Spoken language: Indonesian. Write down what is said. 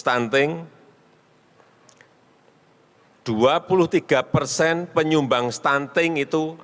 mengenai penyumbang stunting